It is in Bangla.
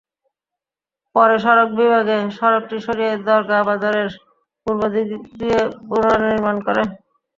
পরে সড়ক বিভাগ সড়কটি সরিয়ে দরগা বাজারের পূর্ব দিক দিয়ে পুনর্নির্মাণ করে।